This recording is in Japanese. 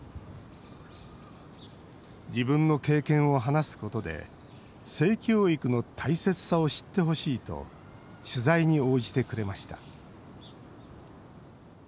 自分の経験を話すことで性教育の大切さを知ってほしいと取材に応じてくれました。